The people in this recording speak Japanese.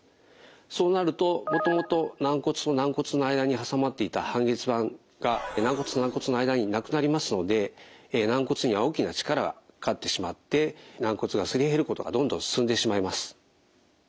そうなるともともと軟骨と軟骨の間に挟まっていた半月板が軟骨と軟骨の間になくなりますので軟骨には大きな力がかかってしまって軟骨がすり減ることがどんどん進んでしまいます。